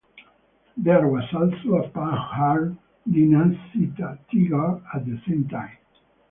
There was also a Panhard Dyna Z Tiger at the same time.